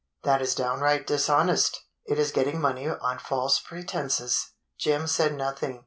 "That is downright dishonest! It is getting money on false pretenses." Jim said nothing.